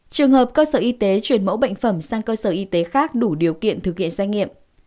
trường hợp cơ sở y tế chuyển mẫu bệnh phẩm sang cơ sở y tế khác đủ điều kiện thực hiện xét nghiệm